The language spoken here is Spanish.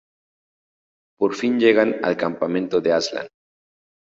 Por fin llegan al campamento de Aslan.